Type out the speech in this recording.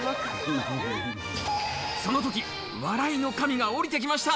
その時、笑いの神が降りてきました。